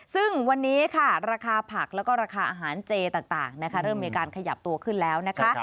ซึ่งวันนี้ค่ะราคาผักแล้วก็ราคาอาหารเจต่างเริ่มมีการขยับตัวขึ้นแล้วนะคะ